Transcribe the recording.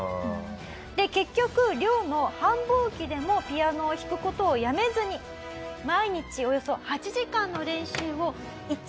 で結局漁の繁忙期でもピアノを弾く事をやめずに毎日およそ８時間の練習を１年続けたという事なんです。